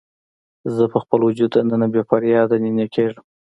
زه په خپل وجود دننه بې فریاده نینې کیږم